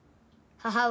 母上！